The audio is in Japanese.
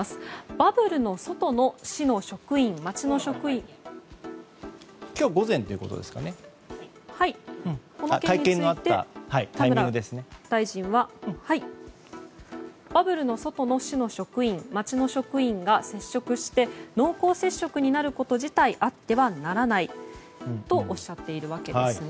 バブルの外の市の職員町の職員田村大臣はバブルの外の市の職員町の職員が接触して濃厚接触になること自体あってはならないとおっしゃっているわけですね。